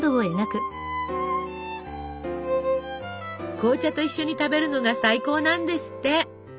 紅茶と一緒に食べるのが最高なんですって。